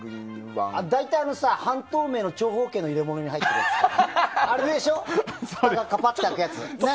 大体、半透明の長方形の入れ物に入ってるやつね。